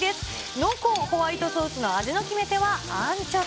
濃厚ホワイトソースの味の決め手はアンチョビ。